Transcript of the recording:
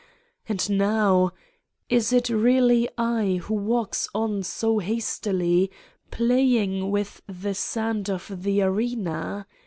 And now ... is it really I who walks on so hastily, playing with the sand of the arena?